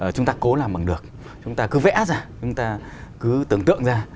chúng ta cố làm bằng được chúng ta cứ vẽ ra chúng ta cứ tưởng tượng ra